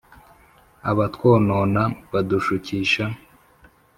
abatwonona badushukisha